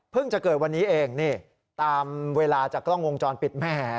จะเกิดวันนี้เองนี่ตามเวลาจากกล้องวงจรปิดแม่